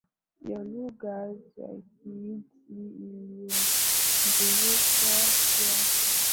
ya lugha za Kihindi iliongezeka kiasi baada ya